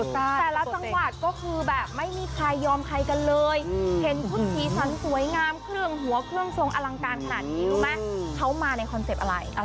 แต่ละจังหวัดก็คือแบบไม่มีใครยอมใครกันเลยเห็นชุดสีสันสวยงามเครื่องหัวเครื่องทรงอลังการขนาดนี้รู้ไหมเขามาในคอนเซ็ปต์อะไร